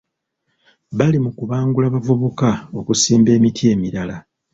Bali mu kubangula bavubuka okusimba emiti emirala.